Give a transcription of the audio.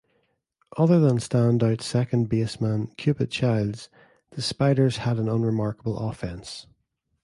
Other than standout second baseman Cupid Childs, the Spiders had an unremarkable offense.